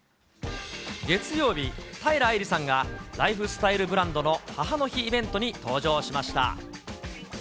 月曜日、平愛梨さんがライフスタイルブランドの母の日イベントに登場しました。